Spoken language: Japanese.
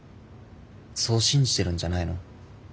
そう信じてるんじゃないの。